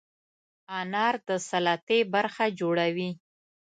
انار د سلاتې برخه جوړوي.